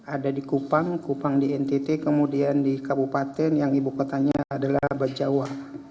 ada di kupang kupang di ntt kemudian di kabupaten yang ibu kotanya adalah bajawa